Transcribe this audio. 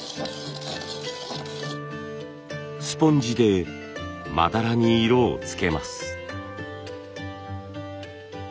スポンジでまだらに色をつけます。